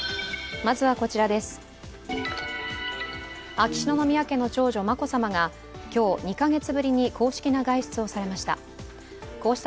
秋篠宮家の長女、眞子さまが今日２カ月ぶりに公式な外出をされました。